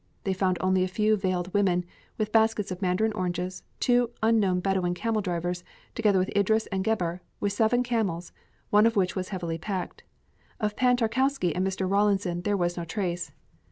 They found only a few veiled women, with baskets of mandarin oranges, two unknown Bedouin camel drivers, together with Idris and Gebhr, with seven camels, one of which was heavily packed. Of Pan Tarkowski and Mr. Rawlinson there was no trace.